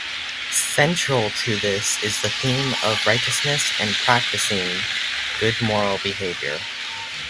Central to this is the theme of righteousness and practicing good moral behavior.